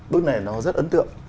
bức này nó rất ấn tượng